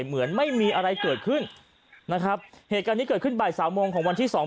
เหมือนไม่มีอะไรเกิดขึ้นนะครับเหตุการณ์นี้เกิดขึ้นบ่ายสามโมงของวันที่สอง